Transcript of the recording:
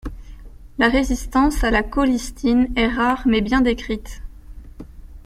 La résistance à la colistine est rare mais bien décrite.